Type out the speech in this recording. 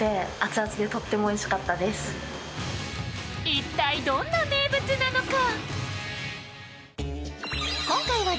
一体どんな名物なのか？